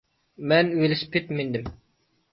مەن ۋېلىسىپىت مىندىم.